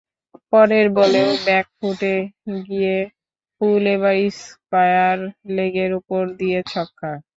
পরের বলেও ব্যাকফুটে গিয়ে পুল, এবার স্কয়ার লেগের ওপর দিয়ে ছক্কা।